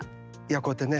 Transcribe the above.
こうやってね